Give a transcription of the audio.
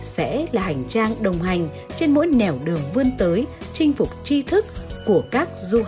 sẽ là hành trang đồng hành trên mỗi nẻo đường vươn tới chinh phục tri thức của các du học sinh tương lai